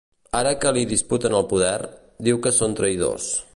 Ara que li disputen el poder, diu que són traïdors.